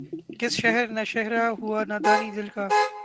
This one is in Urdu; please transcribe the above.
کس شہر نہ شہرہ ہوا نادانئ دل کا